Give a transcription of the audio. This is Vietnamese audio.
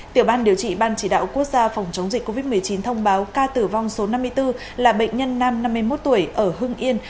tiểu ban điều trị ban chỉ đạo quốc gia phòng chống dịch covid một mươi chín thông báo ca tử vong số năm mươi bốn là bệnh nhân nam năm mươi một tuổi ở hưng yên